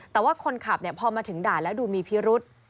แต่ว่าคนขับพอมาถึงด่านแล้วดูมีพิรุษ